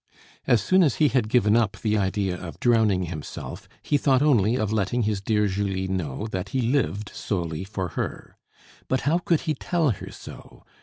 As soon as he had given up the idea of drowning himself, he thought only of letting his dear Julie know that he lived solely for her. But how could he tell her so?